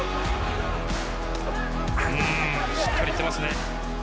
うんしっかりいってますね。